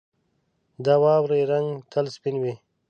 • د واورې رنګ تل سپین وي.